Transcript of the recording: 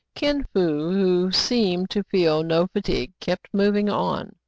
Kin Fo, who seemed to feel no fatigue, kept mov ing on.